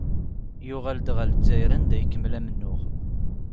Yuɣal-d ɣer Lezzayer anda ikemmel amennuɣ.